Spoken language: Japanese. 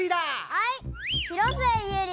はい！